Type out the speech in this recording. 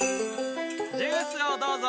ジュースをどうぞ。